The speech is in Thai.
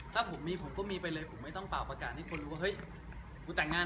ถ้าผมมีผมเราก็มีไปเลยผมไม่ต้องเปล่าประกาศที่คนรู้ว่า